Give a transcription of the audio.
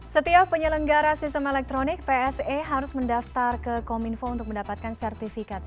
setiap penyelenggara sistem elektronik pse harus mendaftar ke kominfo untuk mendapatkan sertifikat